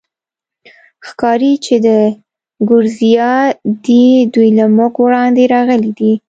ښکاري، چې د ګوریزیا دي، دوی له موږ وړاندې راغلي دي.